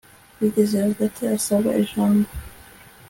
bigeze hagati abasaba ijambo